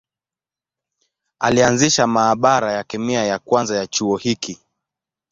Alianzisha maabara ya kemia ya kwanza ya chuo hiki.